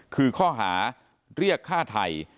คือข้อหาเรียกฆ่าไทย